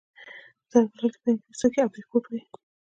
زردالو ته په انګلیسي Apricot وايي.